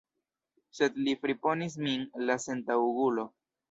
Sed li friponis min, la sentaŭgulo!